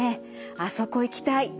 あそこ行きたい」。